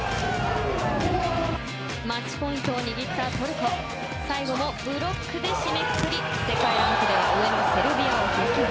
マッチポイントを握ったトルコ最後もブロックで締めくくり世界ランクでは上のセルビアを撃破。